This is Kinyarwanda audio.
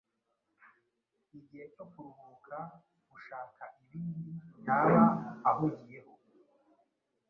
igihe cyo kuruhuka ushaka ibindi yaba ahugiyeho,